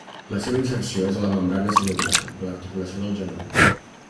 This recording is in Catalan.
La seva inserció és a la membrana sinovial de l'articulació del genoll.